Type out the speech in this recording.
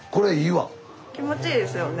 気持ちいいですよね。